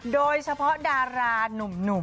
โดยเฉพาะดารานุ่ม